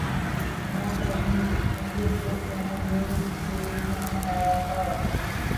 وُہ تحیّر جو تُمھیں لے کے یہاں آیا تھا